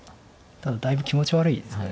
ただだいぶ気持ち悪いですけど。